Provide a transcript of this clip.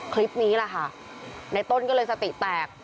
คลิปนี้แหละค่ะในต้นก็เลยสติแตก